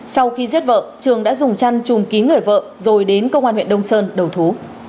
sau khi giết vợ trường đã dùng chăn chùm kín người vợ rồi đến công an huyện đông sơn đầu thú